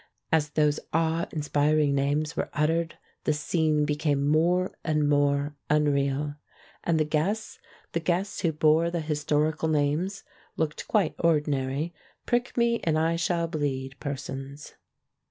As those awe inspiring names were uttered, the scene became more and more unreal. And the guests, the guests who bore the historical names, looked quite ordinary, prick me and I shall bleed persons.